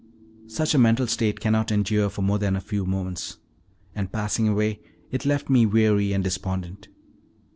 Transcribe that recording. Such a mental state cannot endure for more than a few moments, and passing away, it left me weary and despondent.